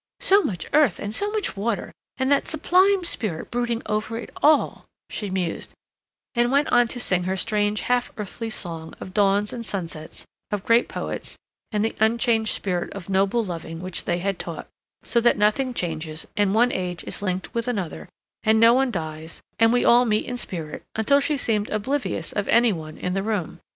"So much earth and so much water and that sublime spirit brooding over it all," she mused, and went on to sing her strange, half earthly song of dawns and sunsets, of great poets, and the unchanged spirit of noble loving which they had taught, so that nothing changes, and one age is linked with another, and no one dies, and we all meet in spirit, until she appeared oblivious of any one in the room.